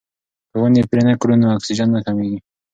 که ونې پرې نه کړو نو اکسیجن نه کمیږي.